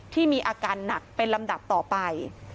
ที่มีอาการหนักเป็นลำดับต่อไป